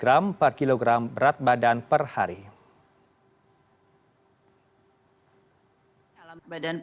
kepala bepom penny k lukito mengatakan batas akan standar internasional cemaran